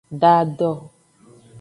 Da do.